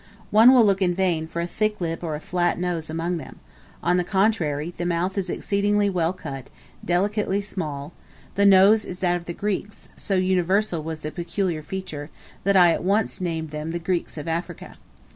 One will look in vain for a thick lip or a flat nose amongst them; on the contrary, the mouth is exceedingly well cut, delicately small; the nose is that of the Greeks, and so universal was the peculiar feature, that I at once named them the Greeks of Africa.